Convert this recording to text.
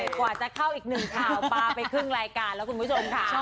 กว่าจะเข้าอีกหนึ่งข่าวปลาไปครึ่งรายการแล้วคุณผู้ชมค่ะ